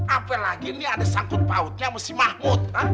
apalagi ini ada sangkut pautnya sama si mahmud